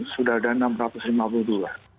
sudah ada enam ratus lima puluh dua